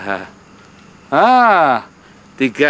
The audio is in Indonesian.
tiga anak ini juga harus berjalan